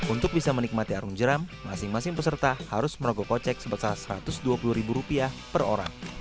untuk bisa menikmati arung jeram masing masing peserta harus merogoh kocek sebesar satu ratus dua puluh ribu rupiah per orang